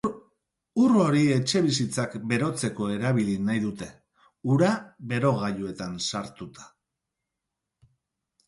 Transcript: Ur hori etxebizitzak berotzeko erabili nahi dute, ura berogailuetan sartuta.